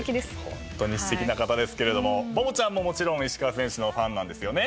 ホントにすてきな方ですけれどもバボちゃんももちろん石川選手のファンなんですよね？